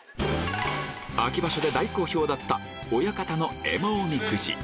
秋場所で大好評だった親方の絵馬おみくじ